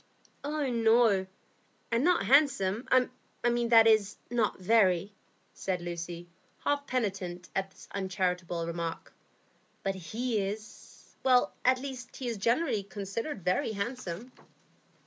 "Oh no; and not handsome,—that is, not very," said Lucy, half penitent at this uncharitable remark. "But he is—at least he is generally considered very handsome."